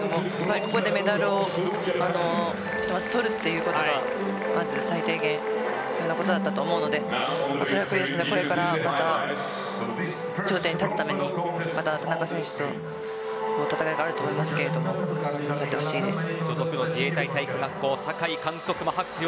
ここでメダルを取るということはまず最低限必要なことだったと思うのでこれからまた頂点に立つための田中選手の戦いがあると思いますが頑張ってほしいです。